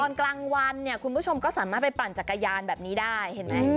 ตอนกลางวันเนี่ยคุณผู้ชมก็สามารถไปปั่นจักรยานแบบนี้ได้เห็นไหม